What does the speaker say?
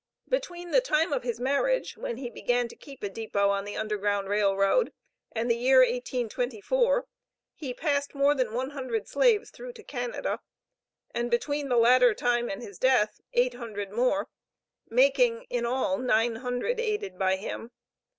Between the time of his marriage, when he began to keep a depot on the Underground Rail Road, and the year 1824, he passed more than one hundred slaves through to Canada, and between the latter time and his death, eight hundred more, making, in all nine hundred aided by him.